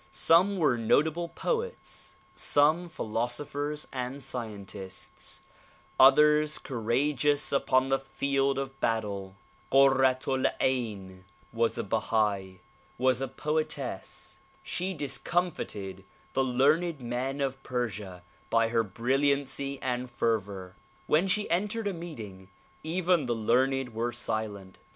Some were notable poets, some philosophers and scientists, others courageous upon the field of battle. Kurratu 1 Ayn a Bahai, was a poetess. She discomfited the learned men of Persia by her brilliancy and fervor. When she entered a meeting even the learned were silent.